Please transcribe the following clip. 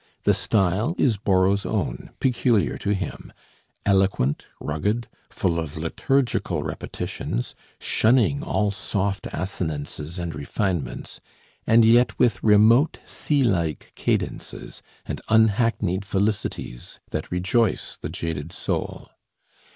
The style is Borrow's own, peculiar to him: eloquent, rugged, full of liturgical repetitions, shunning all soft assonances and refinements, and yet with remote sea like cadences, and unhackneyed felicities that rejoice the jaded soul.